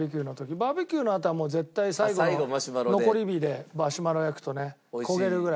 バーベキューのあとはもう絶対最後残り火でマシュマロ焼くとね焦げるぐらい。